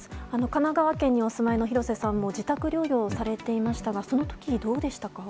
神奈川県にお住まいに廣瀬さんも自宅療養されていましたがその時は、どうでしたか？